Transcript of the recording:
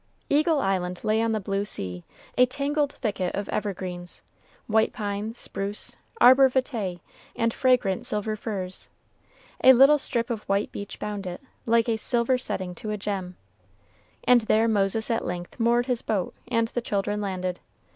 Eagle Island lay on the blue sea, a tangled thicket of evergreens, white pine, spruce, arbor vitæ, and fragrant silver firs. A little strip of white beach bound it, like a silver setting to a gem. And there Moses at length moored his boat, and the children landed.